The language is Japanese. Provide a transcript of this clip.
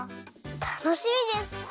たのしみです！